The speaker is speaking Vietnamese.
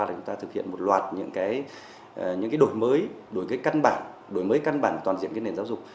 chúng ta thực hiện một loạt những đổi mới đổi cân bản toàn diện nền giáo dục